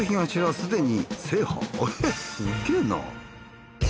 すげぇな。